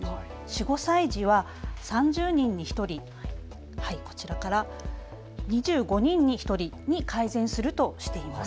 ４・５歳児は３０人に１人、こちらから２５人に１人に改善するとしています。